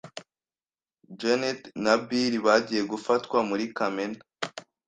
Janet na Bill bagiye gufatwa muri kamena.